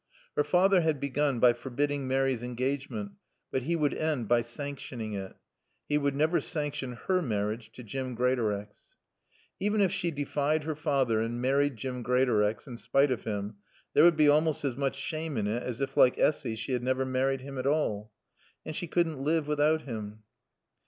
Her father had begun by forbidding Mary's engagement but he would end by sanctioning it. He would never sanction her marriage to Jim Greatorex. Even if she defied her father and married Jim Greatorex in spite of him there would be almost as much shame in it as if, like Essy, she had never married him at all. And she couldn't live without him.